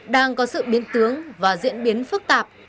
đang có sự biến tướng và diễn biến phức tạp